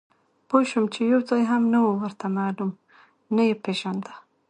پوه شوم چې یو ځای هم نه و ورته معلوم، نه یې پېژانده.